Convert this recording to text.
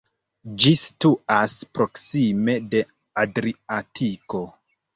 Ĝi situas proksime de Adriatiko.